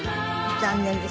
残念です。